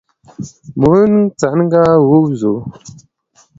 مونږ څنګه ووځو؟